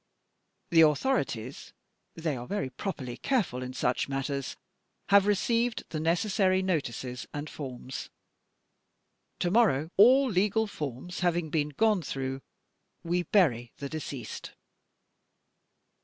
The authorities they are, very properly, careful in such matters have received the necessary notices and forms: to morrow, all legal forms having been gone through, we bury the deceased."